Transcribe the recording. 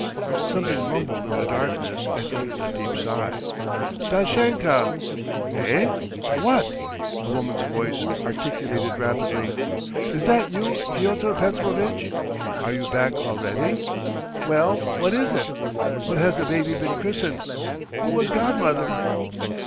Something grumbled in the darkness and uttered a deep sigh. "Dashenka." "Eh? What?" A woman's voice articulated rapidly. "Is that you, Pyotr Petrovitch? Are you back already? Well, what is it? What has the baby been christened? Who was godmother?"